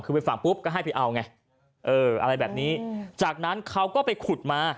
คือไปฝั่งปุ๊บก็ให้ไปเอาไงเอออะไรแบบนี้จากนั้นเขาก็ไปขุดมา